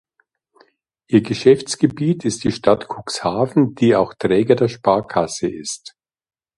Ihr Geschäftsgebiet ist die Stadt Cuxhaven, die auch Träger der Sparkasse ist.